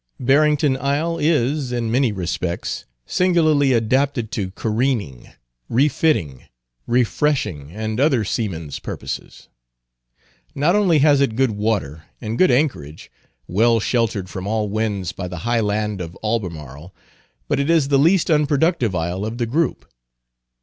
Barrington Isle is, in many respects, singularly adapted to careening, refitting, refreshing, and other seamen's purposes. Not only has it good water, and good anchorage, well sheltered from all winds by the high land of Albemarle, but it is the least unproductive isle of the group.